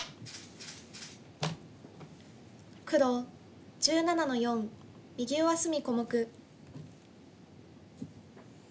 黒１７の四右上隅小目。